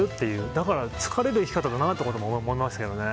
だから疲れる生き方だなとも思いましたけどね。